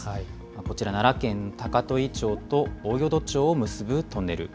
こちら、奈良県高取町と大淀町を結ぶトンネル。